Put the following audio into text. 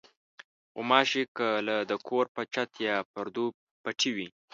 غوماشې کله د کور په چت یا پردو پټې وي.